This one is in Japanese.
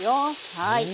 はい。